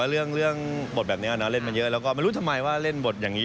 เรื่องบทแบบนี้นะเล่นมาเยอะแล้วก็ไม่รู้ทำไมว่าเล่นบทอย่างนี้